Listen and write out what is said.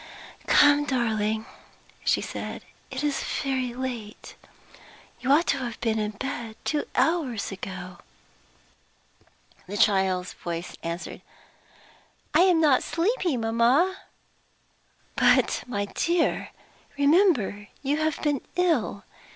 "Come, darling," she said. "It is very late you ought to have been in bed two hours ago." The child's voice answered, "I am not sleepy, mamma." "But, my dear, remember you have been ill.